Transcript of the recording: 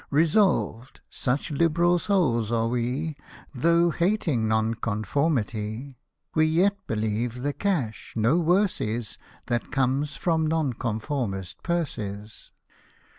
Resolved — such liberal souls are we — Though hating Nonconformity, We yet believe the cash no worse is That comes from Nonconformist purses.